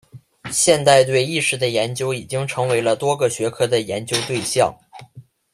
现代对意识的研究已经成为了多个学科的研究对象。